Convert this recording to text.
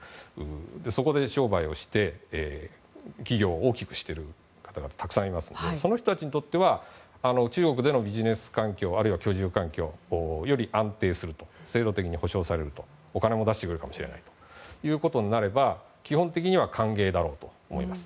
そこで商売をして企業を大きくしている方々はたくさんいますのでその人たちにとっては中国でのビジネス環境居住環境がより安定する制度的に保障されるお金も出してくれるということになれば基本的には歓迎だろうと思います。